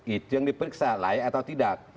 itu yang diperiksa layak atau tidak